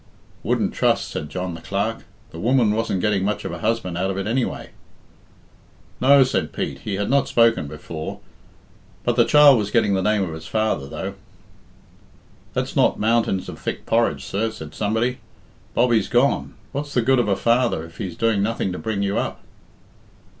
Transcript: "Wouldn't trust," said John the Clerk. "The woman wasn't getting much of a husband out of it anyway." "No," said Pete he had not spoken before "but the child was getting the name of its father, though." "That's not mountains of thick porridge, sir," said somebody. "Bobbie's gone. What's the good of a father if he's doing nothing to bring you up?"